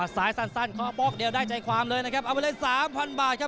สายสั้นข้อบอกเดียวได้ใจความเลยนะครับเอาไว้เลย๓๐๐๐บาทครับจากกาวน์ซิเมนจัวระเข้เขียวนะครับ